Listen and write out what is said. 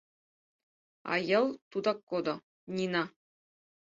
А йыл тудак кодо: Нина.